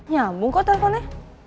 nyambung kok teleponnya